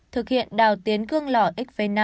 thực hiện đào tiến cương lỏ xv năm một trăm bốn mươi hai